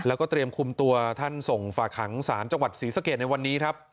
แล้วก็เตรียมคุมตัวท่านส่งฝากหางศาลจังหวัดศรีสะเกดในวันนี้ครับ